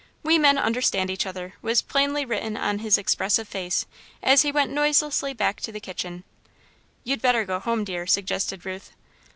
"We men understand each other," was plainly written on his expressive face, as he went noiselessly back to the kitchen. "You'd better go home, dear," suggested Ruth.